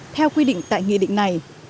theo quy định tại nghị định này